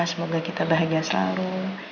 semoga kita bahagia selalu